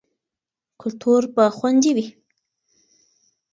کلتور به خوندي وي.